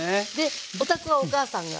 お宅はお母さんが？